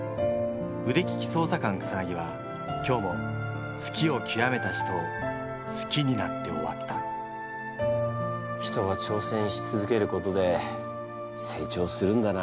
腕利き捜査官草は今日も好きを極めた人を好きになって終わった人は挑戦し続けることで成長するんだなあ。